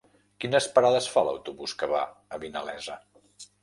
Quines parades fa l'autobús que va a Vinalesa?